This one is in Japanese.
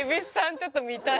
ちょっと見たい。